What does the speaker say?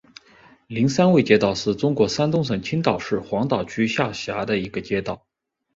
灵山卫街道是中国山东省青岛市黄岛区下辖的一个街道。